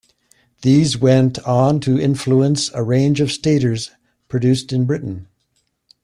These went on to influence a range of staters produced in Britain.